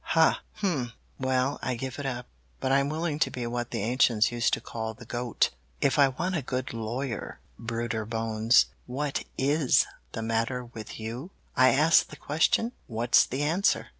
Ha! Hum! Well, I give it up, but I'm willing to be what the ancients used to call the Goat. If I want a good lawyer, Brudder Bones, what IS the matter with you? I ask the question what's the answer?"